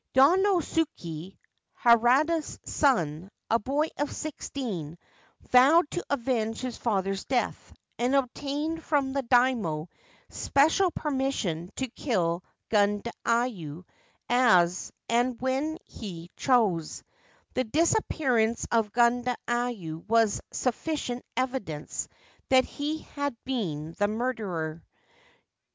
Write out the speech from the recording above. Yonosuke, Harada's son, a boy of sixteen, vowed to avenge his father's death, and obtained from the Daimio special permission to kill Gundayu as and when he chose ; the disappearance of Gundayu was sufficient evidence that he had been the murderer.